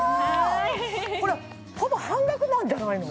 これほぼ半額なんじゃないの？